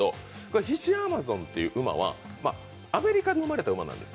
ヒシアマゾンという馬はアメリカで生まれた馬なんです。